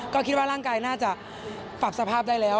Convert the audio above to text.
ก็คิดว่าร่างกายน่าจะปรับสภาพได้แล้ว